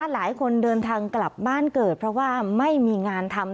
หลายคนเดินทางกลับบ้านเกิดเพราะว่าไม่มีงานทำ